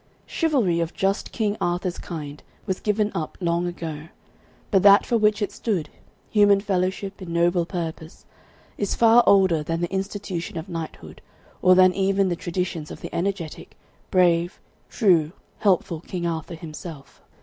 Chivalry of just King Arthur's kind was given up long ago, but that for which it stood human fellowship in noble purpose is far older than the institution of knighthood or than even the traditions of the energetic, brave, true, helpful King Arthur himself.